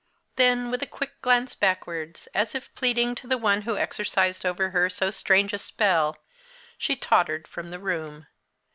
Then, with a quick glance backwards, as of pleading to the one who exercised over her so strange a spell, she tottered from the room.